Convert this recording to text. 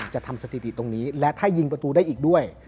จะทำสถิติตรงนี้และถ้ายิงประตูได้อีกด้วย